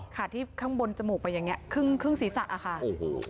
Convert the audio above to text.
ขาดที่ข้างบนจมูกไปอย่างนี้ครึ่งสีสัตว์